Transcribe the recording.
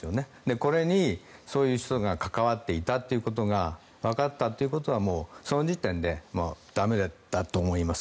これにそういう人が関わっていたということがわかったということはもう、その時点で駄目だと思います。